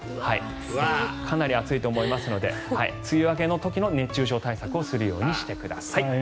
かなり暑いと思いますので梅雨明けの時の熱中症対策をするようにしてください。